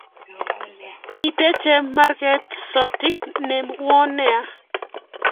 Miten chemarket sotik ne won nea